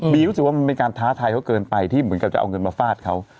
รู้สึกว่ามันเป็นการท้าทายเขาเกินไปที่เหมือนกับจะเอาเงินมาฟาดเขา